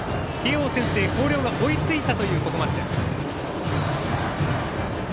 広陵が追いついたというここまでです。